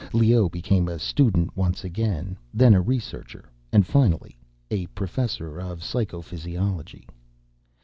Leoh became a student once again, then a researcher, and finally a Professor of Psychophysiology.